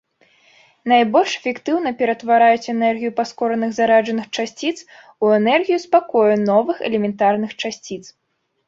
Найбольш эфектыўна пераўтвараюць энергію паскораных зараджаных часціц у энергію спакою новых элементарных часціц.